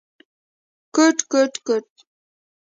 کوټ، کوټ ، کوټ ….